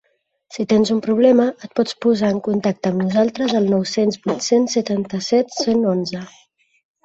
Si tens un problema, et pots posar en contacte amb nosaltres al nou-cents vuit-cents setanta-set cent onze.